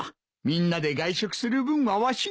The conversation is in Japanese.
みんなで外食する分はわしが。